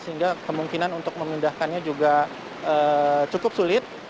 sehingga kemungkinan untuk memindahkannya juga cukup sulit